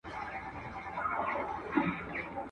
د بد بخته دوه غوايي وه يو وتی نه، بل ننوتی نه.